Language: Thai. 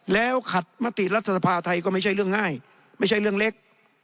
แล้วขัดมติรัฐสภาไทยก็ไม่ใช่เรื่องง่ายไม่ใช่เรื่องเล็ก